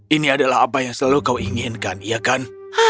ini adalah apa yang selalu kau inginkan iya kan